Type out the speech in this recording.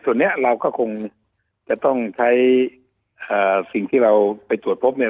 ส่วนนี้เราก็คงจะต้องใช้สิ่งที่เราไปตรวจพบเนี่ย